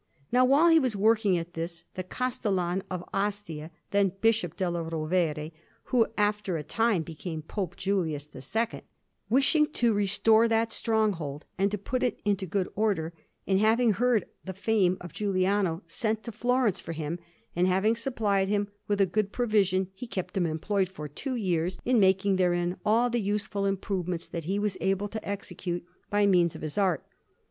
Now while he was working at this, the Castellan of Ostia, then Bishop della Rovere, who after a time became Pope Julius II, wishing to restore that stronghold and to put it into good order, and having heard the fame of Giuliano, sent to Florence for him; and, having supplied him with a good provision, he kept him employed for two years in making therein all the useful improvements that he was able to execute by means of his art.